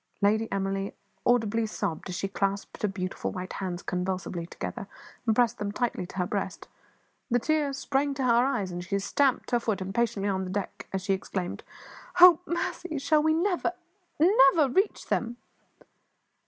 Lady Emily audibly sobbed as she clasped her beautiful white hands convulsively together, and pressed them tightly to her breast; the tears sprang to her eyes, and she stamped her foot impatiently on the deck as she exclaimed "Oh, mercy! shall we never, never reach them?"